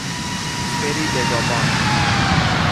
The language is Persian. سری بگاوان